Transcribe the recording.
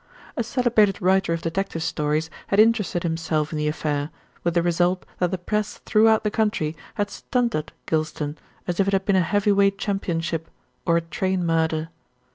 A celebrated writer of detective stories had interested himself in the affair, with the result that the Press throughout the country had "stunted" Gylston as if it had been a heavy weight championship, or a train murder.